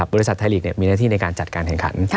บุรุษฎาศตร์ไทยลีกมีหน้าที่ในการจัดการแทนขัน